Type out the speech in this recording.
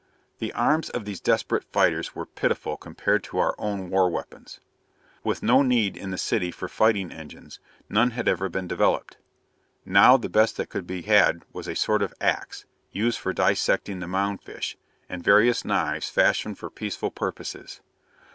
The arms of these desperate fighters were pitiful compared to our own war weapons. With no need in the city for fighting engines, none had ever been developed. Now the best that could be had was a sort of ax, used for dissecting the mound fish, and various knives fashioned for peaceful purposes.